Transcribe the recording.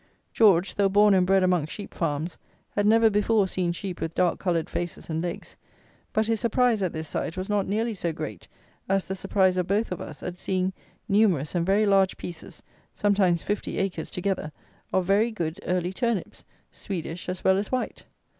George, though born and bred amongst sheep farms, had never before seen sheep with dark coloured faces and legs; but his surprise, at this sight, was not nearly so great as the surprise of both of us, at seeing numerous and very large pieces (sometimes 50 acres together) of very good early turnips, Swedish as well as White!